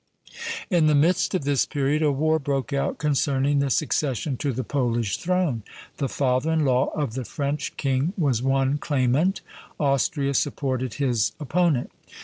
In the midst of this period a war broke out concerning the succession to the Polish throne. The father in law of the French king was one claimant; Austria supported his opponent.